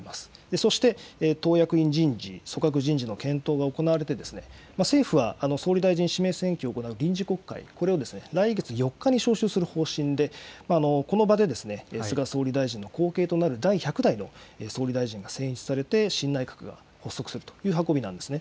そして党役員人事、組閣人事の検討が行われて、政府は総理大臣指名選挙を行う臨時国会、これを来月４日に召集する方針で、この場で菅総理大臣の後継となる第１００代の総理大臣が選出されて、新内閣が発足するという運びなんですね。